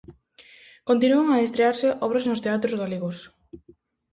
Continúan a estrearse obras nos teatros galegos.